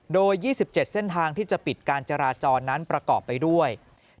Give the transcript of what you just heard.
โดย๒๗เส้นทางที่จะปิดการจราจรนั้นประกอบไปด้วย